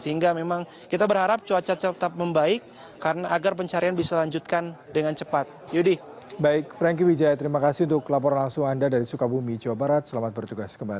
sehingga memang kita berharap cuaca tetap membaik agar pencarian bisa lanjutkan dengan cepat